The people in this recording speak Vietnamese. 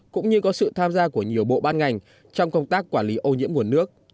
cũng như có sự tham gia của nhiều bộ ban ngành trong công tác quản lý ô nhiễm nguồn nước